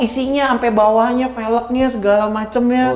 isinya sampai bawahnya velocknya segala macemnya